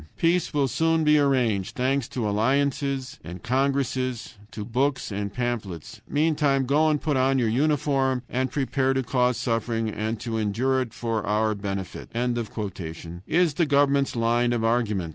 "Peace will soon be arranged, thanks to alliances and congresses, to books and pamphlets; meantime go and put on your uniform, and prepare to cause suffering and to endure it for our benefit," is the government's line of argument.